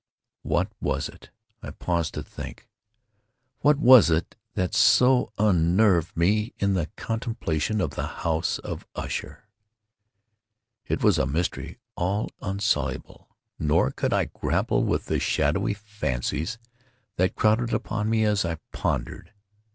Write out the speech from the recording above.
What was it—I paused to think—what was it that so unnerved me in the contemplation of the House of Usher? It was a mystery all insoluble; nor could I grapple with the shadowy fancies that crowded upon me as I pondered.